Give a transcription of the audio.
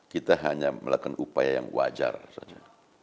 kita hanya melakukan upaya yang wajar saja